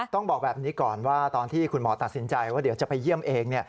ต้องบอกแบบนี้ก่อนว่าตอนที่คุณหมอตัดสินใจว่าเดี๋ยวจะไปเยี่ยมเอง